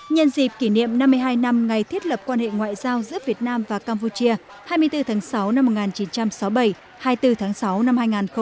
nhân dịp kỷ niệm năm mươi hai năm ngày thiết lập quan hệ ngoại giao giữa việt nam và campuchia hai mươi bốn tháng sáu năm một nghìn chín trăm sáu mươi bảy hai mươi bốn tháng sáu năm hai nghìn một mươi chín